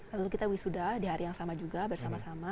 lalu kita wisuda di hari yang sama juga bersama sama